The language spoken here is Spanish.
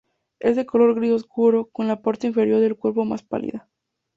Es de color gris oscuro, con la parte inferior del cuerpo más pálida.